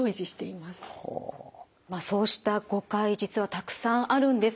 そうした誤解実はたくさんあるんです。